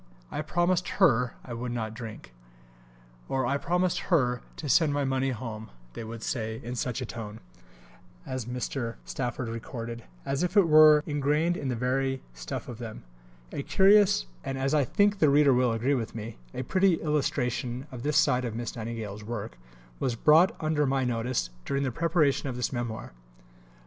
"I promised Her I would not drink," or "I promised Her to send my money home," they would say, "in such a tone," as Mr. Stafford recorded, "as if it were ingrained in the very stuff of them." A curious and, as I think the reader will agree with me, a pretty illustration of this side of Miss Nightingale's work, was brought under my notice during the preparation of this Memoir.